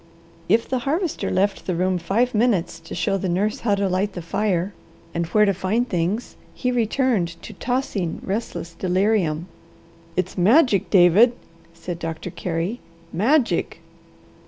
If the harvester left the room five minutes to show the nurse how to light the fire, and where to find things, he returned to tossing, restless delirium. "It's magic David," said Doctor Carey. "Magic!"